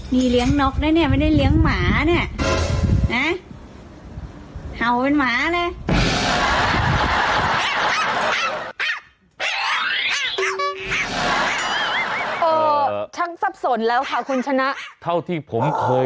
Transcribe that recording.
นี่เลี้ยงนกนะเนี่ยไม่ได้เลี้ยงหมาเนี่ยนะเห่าเป็นหมาเลย